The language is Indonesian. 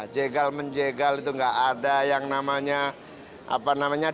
jegal menjegal itu nggak ada yang namanya dinamika